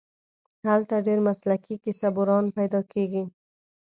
هلته ډېر مسلکي کیسه بُران پیدا کېږي.